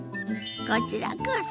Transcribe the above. こちらこそ！